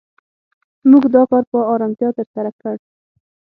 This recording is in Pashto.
موږ دا کار په آرامتیا تر سره کړ.